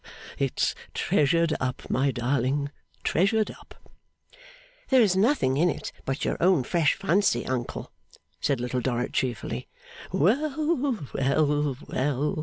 It's treasured up, my darling, treasured up.' 'There is nothing in it but your own fresh fancy, uncle,' said Little Dorrit, cheerfully. 'Well, well, well!